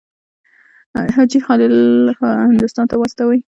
حاجي خلیل هندوستان ته واستوي.